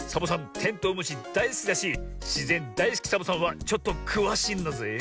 テントウムシだいすきだししぜんだいすきサボさんはちょっとくわしいんだぜえ。